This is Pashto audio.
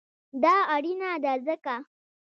دا اړینه ده ځکه: